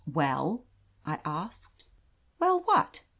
"Well?" I asked. "Well— what?"